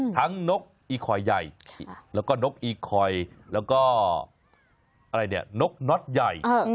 ทั้งนกอีคอยด์ใหญ่แล้วก็นกอีคอยด์แล้วก็นกน็อตใหญ่